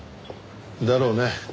だろうね。